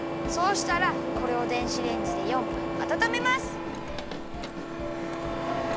そうしたらこれを電子レンジで４分あたためます。